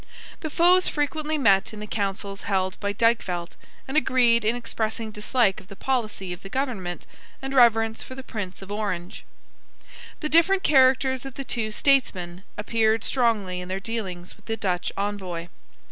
The foes frequently met in the councils held by Dykvelt, and agreed in expressing dislike of the policy of the government and reverence for the Prince of Orange. The different characters of the two statesmen appeared strongly in their dealings with the Dutch envoy.